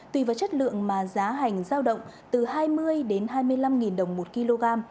tùy vào chất lượng mà giá hành giao động từ hai mươi đến hai mươi năm đồng một kg